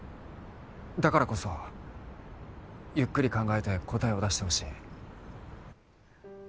だからこそゆっくり考えて答えを出してほしい。